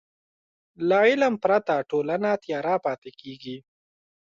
له علم پرته ټولنه تیاره پاتې کېږي.